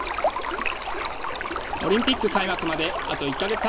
オリンピック開幕まであと１か月半。